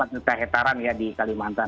empat juta hektaran ya di kalimantan